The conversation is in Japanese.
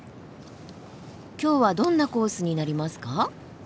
今日はどんなコースになりますか？